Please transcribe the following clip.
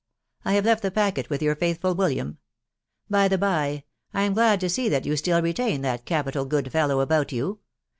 I have left the packet with your faithful William .... By the by, I am glad to see that you still retain that capital good fellow about you